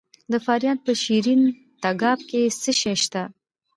د فاریاب په شیرین تګاب کې څه شی شته؟